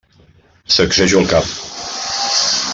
Sacsejo el cap.